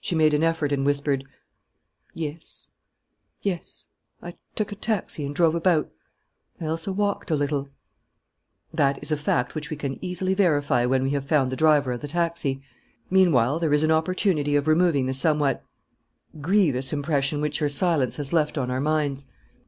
She made an effort and whispered: "Yes, yes.... I took a taxi and drove about. ... I also walked a little " "That is a fact which we can easily verify when we have found the driver of the taxi. Meanwhile, there is an opportunity of removing the somewhat ... grievous impression which your silence has left on our minds."